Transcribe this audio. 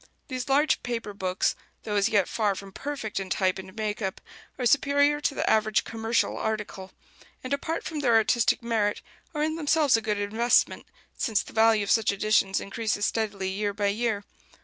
These large paper books, though as yet far from perfect in type and make up, are superior to the average "commercial article"; and, apart from their artistic merit, are in themselves a good investment, since the value of such editions increases steadily year by year.